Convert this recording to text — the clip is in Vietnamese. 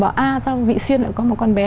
à sao vị xuyên lại có một con bé